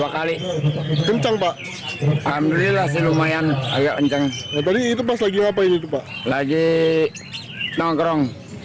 kalau enggak masih berjalan langsung